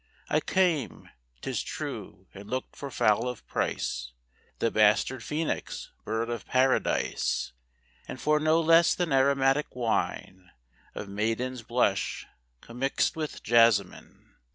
I came, 'tis true, and look'd for fowl of price, The bastard Phoenix; bird of Paradise; And for no less than aromatic wine Of maidens blush, commix'd with jessamine.